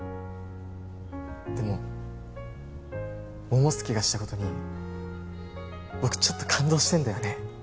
でも桃介がした事に僕ちょっと感動してるんだよね。